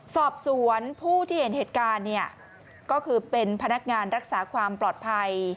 สอบสวนผู้ที่เห็นเหตุการณ์เนี่ยก็คือเป็นพนักงานรักษาความปลอดภัย